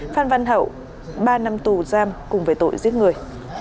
phan văn hậu ba năm tù giam cùng về tội giết người